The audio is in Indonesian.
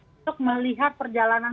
untuk melihat perjalanan